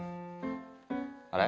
あれ？